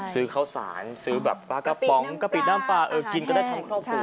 ซื้อข้าวสารซื้อแบบปลากระป๋องกะปิน้ำปลาเออกินก็ได้ทำครอบครัว